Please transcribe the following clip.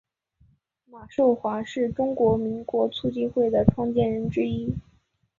马寿华是中国民主促进会的创建者之一。